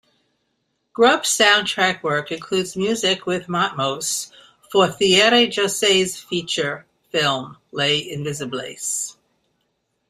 Grubbs's soundtrack work includes music with Matmos for Thierry Jousse's feature film "Les Invisibles".